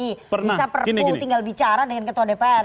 bisa perpu tinggal bicara dengan ketua dpr